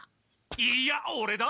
いいやオレだ！